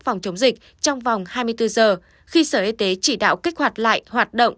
phòng chống dịch trong vòng hai mươi bốn giờ khi sở y tế chỉ đạo kích hoạt lại hoạt động